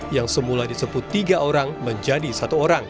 yang semula disebut tiga orang menjadi satu orang